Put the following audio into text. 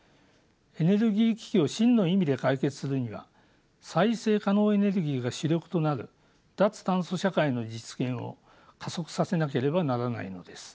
エネルギー危機を真の意味で解決するには再生可能エネルギーが主力となる脱炭素社会の実現を加速させなければならないのです。